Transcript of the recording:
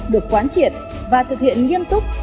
được quán triệt và thực hiện nghiêm túc